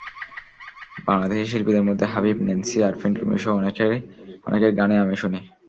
বাংলাদেশি শিল্পীদের মধ্যে হাবিব, ন্যান্সি, আরফিন রুমিসহ অনেকের গানই আমি শুনি।